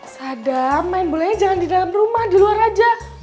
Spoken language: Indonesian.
sadam main bolanya jangan di dalam rumah di luar aja